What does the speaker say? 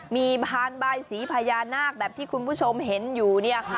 มีพานบายสีพญานาคแบบที่คุณผู้ชมเห็นอยู่